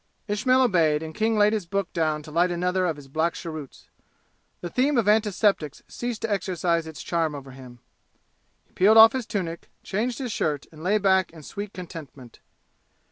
Ismail obeyed and King laid his book down to light another of his black cheroots. The theme of antiseptics ceased to exercise its charm over him. He peeled off his tunic, changed his shirt and lay back in sweet contentment.